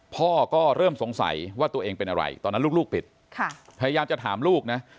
พ่อก็เริ่มสงสัยว่าตัวเองเป็นอะไรตอนนั้นลูกปิดพยายามจะถามลูกนะ